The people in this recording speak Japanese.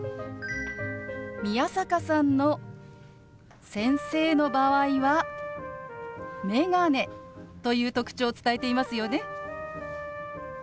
宮坂さんの先生の場合は「メガネ」という特徴を伝えていますよね。